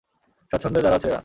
স্বাচ্ছন্দে দাঁড়াও ছেলেরা!